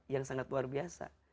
yang sangat luar biasa